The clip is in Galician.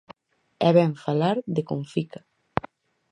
E vén falar de Comfica.